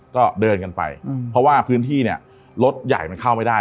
ก็เดินกันไปเพราะว่าพื้นที่เนี่ยรถใหญ่มันเข้าไม่ได้